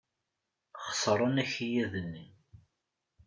Xeṣren akayad-nni.